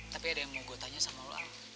tapi ada yang mau gue tanya sama lo al